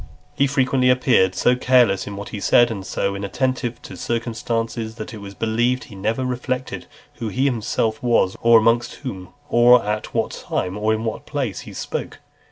XL. He frequently appeared so careless in what he said, and so inattentive to circumstances, that it was believed he never reflected who he himself was, or amongst whom, or at (328) what time, or in what place, he spoke.